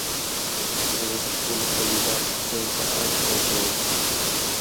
هغه د خپلو تولیداتو پلور په اړه هوکړه وکړه.